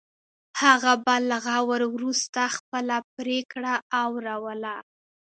هغه به له غور وروسته خپله پرېکړه اوروله.